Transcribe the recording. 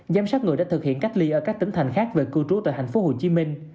giám sát người đã thực hiện cách ly ở các tỉnh thành khác về cư trú tại tp hcm